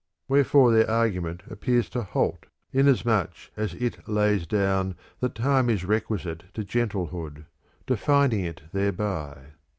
Wherefore their argument appears to halt, inasmuch as it lays down that time is requisite to gentle hood, defining it thereby.